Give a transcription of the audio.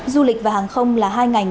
du lịch và hàng không là hai ngành